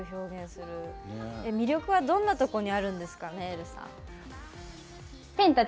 魅力はどんなところにあるんですか？